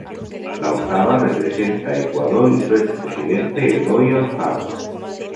La octava representa a Ecuador y su expresidente Eloy Alfaro.